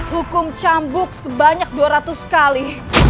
hukum cambuk sebanyak dua ratus kali